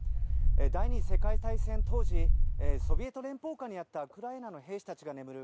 第２次世界大戦当時ソビエト連邦下にあったウクライナの兵士たちが眠る